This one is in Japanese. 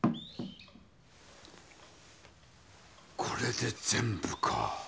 これで全部か。